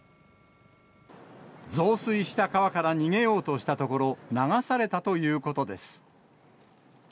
増水した川から逃げようとしたところ、流されたということです。